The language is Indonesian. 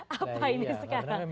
apa ini sekarang